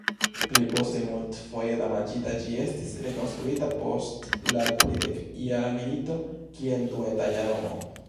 Pli poste multfoje damaĝita, ĝi estis rekonstruita post la Tridekjara Milito kiel duetaĝa domo.